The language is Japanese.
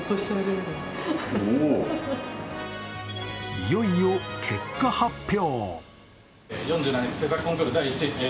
いよいよ結果発表。